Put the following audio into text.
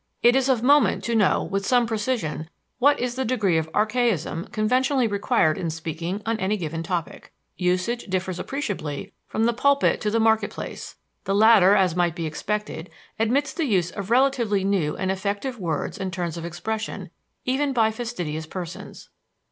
It is of moment to know with some precision what is the degree of archaism conventionally required in speaking on any given topic. Usage differs appreciably from the pulpit to the market place; the latter, as might be expected, admits the use of relatively new and effective words and turns of expression, even by fastidious persons.